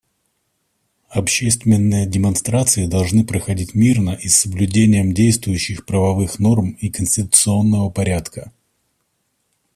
Общественные демонстрации должны проходить мирно и с соблюдением действующих правовых норм и конституционного порядка.